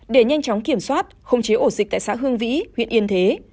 để nhanh chóng kiểm soát khống chế ổ dịch tại xã hương vĩ huyện yên thế